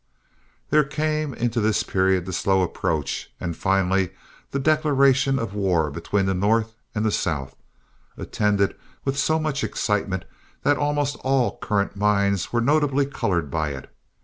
There came in this period the slow approach, and finally the declaration, of war between the North and the South, attended with so much excitement that almost all current minds were notably colored by it.